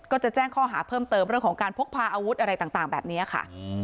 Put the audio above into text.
ก็จะแจ้งข้อหาเพิ่มเติมเรื่องของการพกพาอาวุธอะไรต่างแบบนี้ค่ะ